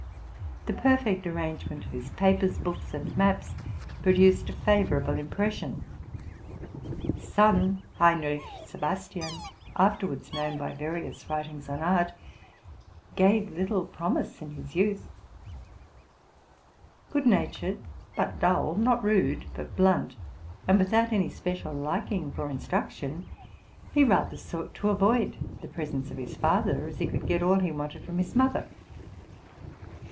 The perfect arrangement of his papers, books, and maps produced a favorable impression. His son, Heinrich Sebastian, afterwards known by various writings on art, gave little promise in his youth. Good natured but dull, not rude but blunt, and without any special liking for instruction, he rather sought to avoid the presence of his father, as he could get all he w vanted from his mother.